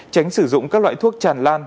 tránh sử dụng các loại thuốc tràn lan